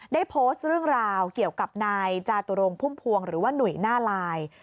ได้โพสต์เรื่องราวเกี่ยวกับนายจาตุรงพุ่มพวงหรือว่าหนุ่ยหน้าลาย